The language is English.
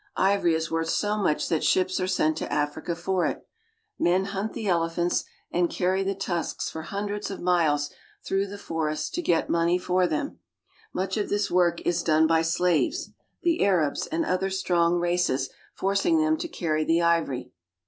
Ivory is worth so much that ships are sent to Africa for it. Men hunt the elephants and ELEPHANTS AND IVORY 153 I [eany the tusks for hundreds of miles through the forests h to get money for them. Much of this work is done by ' slaves, the Arabs and other strong races forc ing them to carry the ivory.